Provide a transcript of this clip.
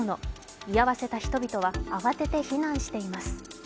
居合わせた人々は慌てて避難しています。